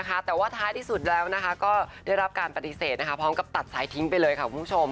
แต่ว่าท้ายที่สุดแล้วก็ได้รับการปฏิเสธพร้อมกับตัดสายทิ้งไปเลยค่ะคุณผู้ชม